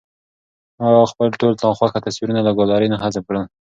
ما خپل ټول ناخوښه تصویرونه له ګالرۍ نه حذف کړل.